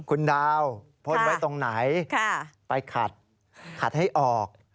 คุณดาวพ่นไว้ตรงไหนไปขัดขัดให้ออก